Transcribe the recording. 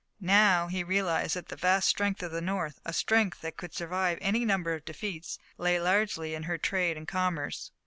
Now he realized that the vast strength of the North, a strength that could survive any number of defeats, lay largely in her trade and commerce.